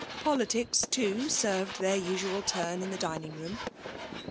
Politics^ too, served their usual turn in the dining room.